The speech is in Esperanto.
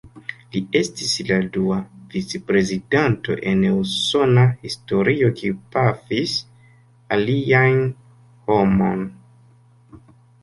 Li estis la dua vicprezidanto en Usona historio kiu pafis alian homon.